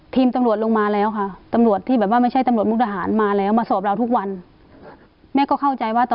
ทีมตำรวจลงมาแล้วค่ะ